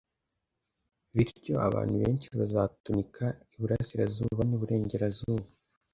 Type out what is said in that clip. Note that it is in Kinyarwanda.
Bityo «abantu benshi bazatunika iburasirazuba n'iburengerazuba,